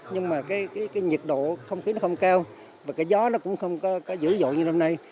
nhưng mà cái nhiệt độ không khí nó không cao và cái gió nó cũng không có dữ dội như năm nay